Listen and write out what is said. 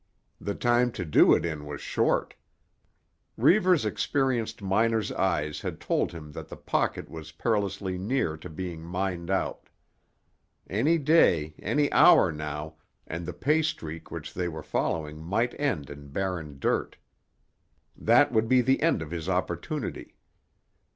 The time to do it in was short. Reivers' experienced miner's eyes had told him that the pocket was perilously near to being mined out. Any day, any hour now, and the pay streak which they were following might end in barren dirt. That would be the end of his opportunity.